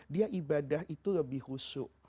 dia ibadah itu lebih husu